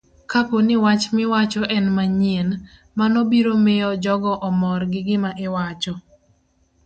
Kapo ni wach miwacho en manyien, mano biro miyo jogo omor gi gima iwacho.